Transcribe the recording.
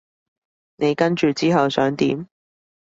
你跟住之後想點？